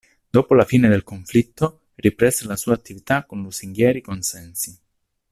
Dopo la fine del conflitto riprese la sua attività con lusinghieri consensi.